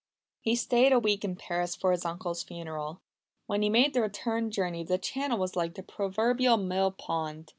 He stayed a week in Paris for his uncle's funeral. When he made the return journey the Channel was like the proverbial mill pond.